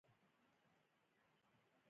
وادي د افغانستان د طبیعت برخه ده.